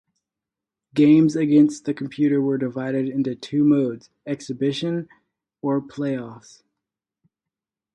Games against the computer were divided into two modes, "Exhibition" or "Playoffs".